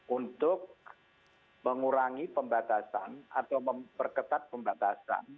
untuk mengurangi pembatasan atau memperketat pembatasan